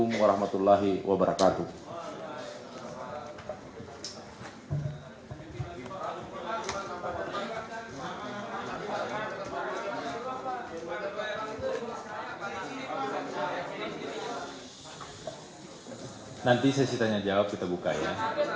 nanti sesi tanya jawab kita buka ya